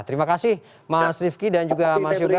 terima kasih mas rifki dan juga mas yoga